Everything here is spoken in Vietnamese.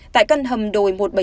tại căn hầm đồi một trăm bảy mươi bốn